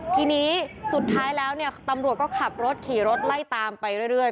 ทีนี้สุดท้ายแล้วเนี่ยตำรวจก็ขับรถขี่รถไล่ตามไปเรื่อย